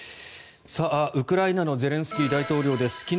ウクライナのゼレンスキー大統領です。